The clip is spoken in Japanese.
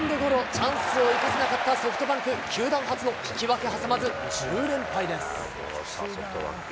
チャンスを生かせなかったソフトバンク、球団初の引き分け挟まず１０連敗です。